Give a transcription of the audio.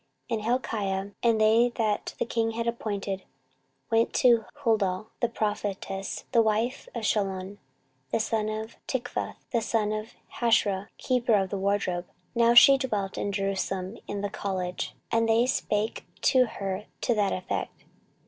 14:034:022 And Hilkiah, and they that the king had appointed, went to Huldah the prophetess, the wife of Shallum the son of Tikvath, the son of Hasrah, keeper of the wardrobe; (now she dwelt in Jerusalem in the college:) and they spake to her to that effect.